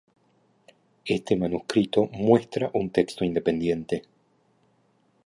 Este manuscrito muestra un texto independiente.